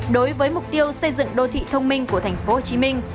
đối với mục tiêu xây dựng đô thị thông minh của thành phố hồ chí minh